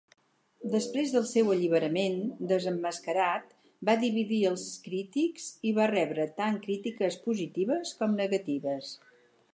Després del seu alliberament, desemmascarat, va dividir els crítics i va rebre tant crítiques positives com negatives.